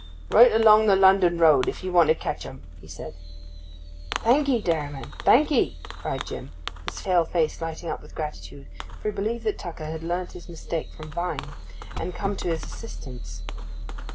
'Right along the London road, if you want to catch 'em!' he said. 'Thank 'ee, dairyman, thank 'ee!' cried Jim, his pale face lighting up with gratitude, for he believed that Tucker had learnt his mistake from Vine, and had come to his assistance.